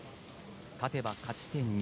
勝てば勝ち点２。